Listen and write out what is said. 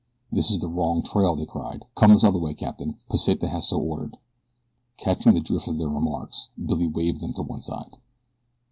"This is the wrong trail," they cried. "Come this other way, Capitan. Pesita has so ordered it." Catching the drift of their remarks, Billy waved them to one side.